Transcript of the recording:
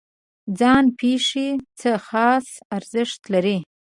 ځان پېښې څه خاص ارزښت لري؟